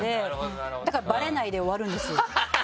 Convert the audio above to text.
だからバレないで終わるんですよ。